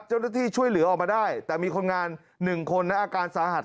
เจ้าหน้าที่ช่วยเหลือออกมาได้แต่มีคนงาน๑คนนะอาการสาหัส